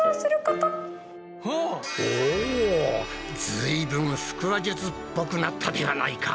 ずいぶん腹話術っぽくなったではないか。